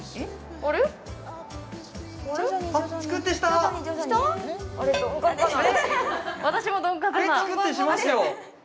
あれっチクってしますよ